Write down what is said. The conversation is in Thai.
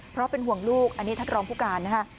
เพราะเป็นห่วงลูกอันนี้ท่านรองผู้การนะฮะ